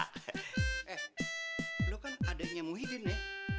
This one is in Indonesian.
eh lu kan adeknya muhyiddin ya